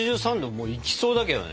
もういきそうだけどね。